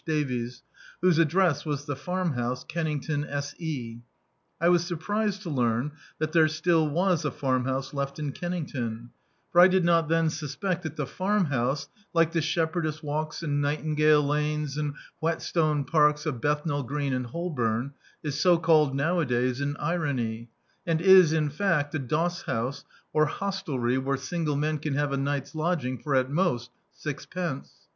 Davies, whose address was The Farm House, Kennington S. E. I was surprised to learn that there was still a farmhouse left in Keimington; for [viii] Dictzed by Google Preface I did not then siispea that the Farmhouse, like the Siepherdess Walks and Nightingale Lanes and ^Vhetstone Parks of Bettmal Green and Holbom, is so called nowadays in irony, and is, in fact, a doss house, or hostelry where single men can have a ni^fs lodging for, at most, sixpence.